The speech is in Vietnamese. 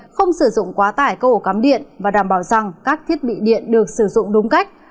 không sử dụng quá tải câu ổ cắm điện và đảm bảo rằng các thiết bị điện được sử dụng đúng cách